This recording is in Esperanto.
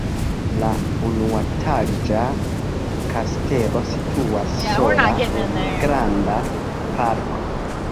La unuetaĝa kastelo situas sola en granda parko.